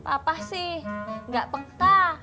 papa sih enggak peka